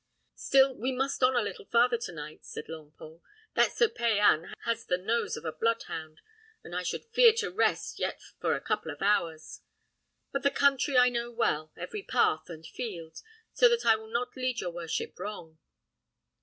"Still, we must on a little farther to night," said Longpole. "That Sir Payan has the nose of a bloodhound, and I should fear to rest yet for a couple of hours. But the country I know well, every path and field, so that I will not lead your worship wrong."